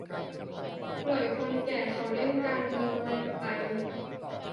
ปล่อยคนแก่เขาเล่น 'การเมืองใหม่' ไป